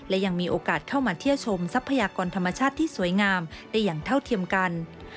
และยังมีโอกาสเข้ามาเที่ยวชมทรัพยากรธรรมชาติที่สวยงามได้อย่างเท่าเทียมกัน